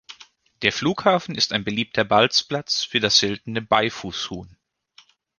Der Flughafen ist ein beliebter Balzplatz für das seltene Beifußhuhn.